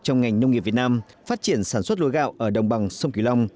trong ngành nông nghiệp việt nam phát triển sản xuất lúa gạo ở đồng bằng sông kỳ long